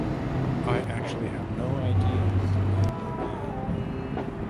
I actually have no idea what the plan will be.